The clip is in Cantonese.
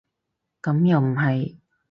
咁又唔係